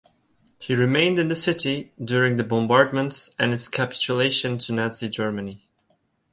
He remained in the city during the bombardments and its capitulation to Nazi Germany.